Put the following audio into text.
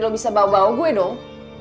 dia baru baru gue dong